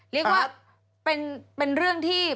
เรียกว่าเป็นเรื่องที่